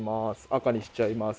赤にしちゃいます